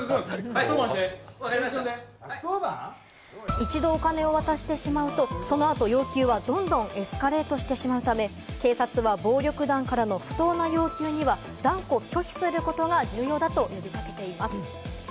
一度お金を渡してしまうと、そのあと要求はどんどんエスカレートしてしまうため、警察は暴力団からの不当な要求には断固拒否することは重要だとしています。